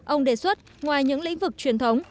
ông đề xuất ngoài những lĩnh vực truyền thống